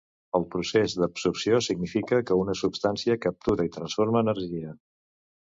El procés d'absorció significa que una substància captura i transforma energia.